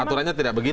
aturannya tidak begitu